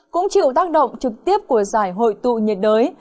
cũng chịu tác động trực tiếp của giải hội tụ nhiệt đới